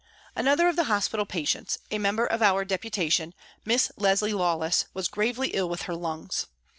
* Another of the hospital patients, a member of our Deputation, Miss Leslie Lawless, was gravely ill with her lungs.